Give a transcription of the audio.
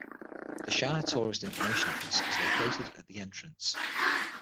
The shire Tourist Information Office is located at The Entrance.